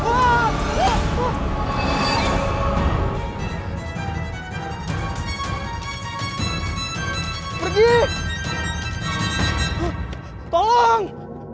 ada suara minta tolong